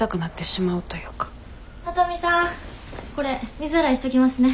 聡美さんこれ水洗いしときますね。